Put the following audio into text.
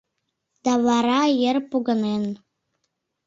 Да вара, йыр погынен